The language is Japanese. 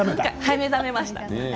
目覚めました。